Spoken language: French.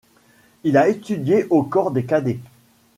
Il a étudié au Corps des cadets.